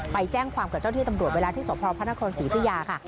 ไปแจ้งความกับเจ้าที่ตำรวจเวลาที่สพพระนครศรีธุยาค่ะ